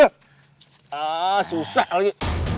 ah susah lagi